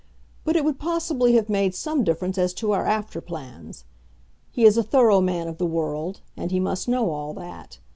But it would possibly have made some difference as to our after plans. He is a thorough man of the world, and he must know all that.